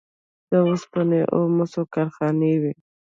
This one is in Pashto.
د وسپنې او مسو کارخانې وې